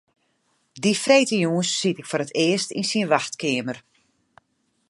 Dy freedtejûns siet ik foar it earst yn syn wachtkeamer.